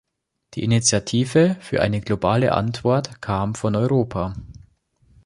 Die Initiative für eine globale Antwort kam von Europa.